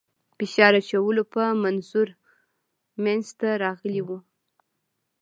فشار اچولو په منظور منځته راغلی وو.